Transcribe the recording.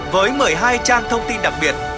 với một mươi hai trang thông tin đặc biệt